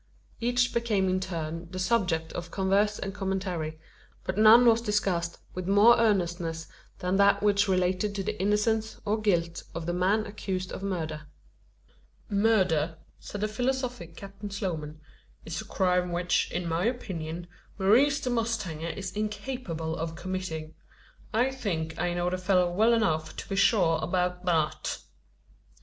Each became in turn the subject of converse and commentary, but none was discussed with more earnestness than that which related to the innocence, or guilt, of the man accused of murder. "Murder," said the philosophic Captain Sloman, "is a crime which, in my opinion, Maurice the mustanger is incapable of committing. I think, I know the fellow well enough to be sure about that."